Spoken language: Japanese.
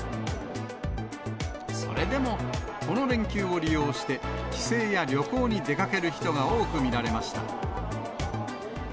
それでも、この連休を利用して、帰省や旅行に出かける人が多く見られました。